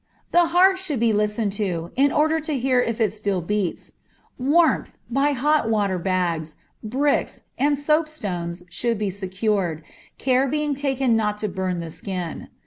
The heart should be listened to, in order to hear if it still beats. Warmth, by hot water bags, bricks, and soapstones should be secured, care being taken not to burn the skin.